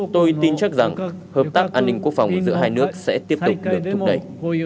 tôi tin chắc rằng hợp tác an ninh quốc phòng giữa hai nước sẽ tiếp tục được thúc đẩy